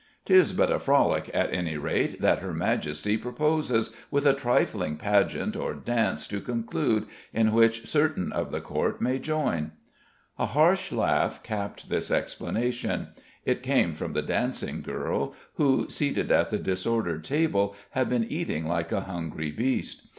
"'Tis but a frolic, at any rate, that her Majesty proposes, with a trifling pageant or dance to conclude, in which certain of the Court may join." A harsh laugh capped this explanation. It came from the dancing girl, who, seated at the disordered table, had been eating like a hungry beast.